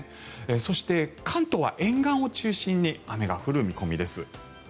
そして、関東は沿岸を中心に雨が降る見込みです。